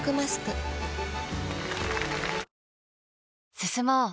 進もう。